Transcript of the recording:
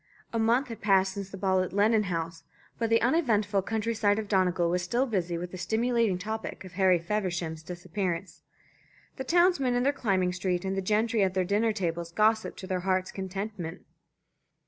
A month had passed since the ball at Lennon House, but the uneventful country side of Donegal was still busy with the stimulating topic of Harry Feversham's disappearance. The townsmen in the climbing street and the gentry at their dinner tables gossiped to their hearts' contentment.